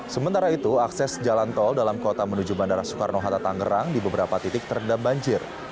sementara itu akses jalan tol dalam kota menuju bandara soekarno hatta tangerang di beberapa titik terendam banjir